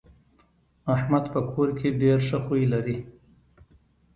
احمد په کور کې ډېر ښه خوی لري.